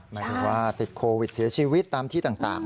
ไม่รู้ว่าติดโควิดเสียชีวิตตามที่แต่งต่างน่ะนะครับ